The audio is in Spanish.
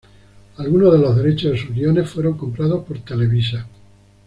Algunos de los derechos de sus guiones fueron comprados por Televisa.